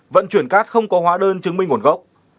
vận chuyển cát không có hóa đơn chứng minh nguồn gốc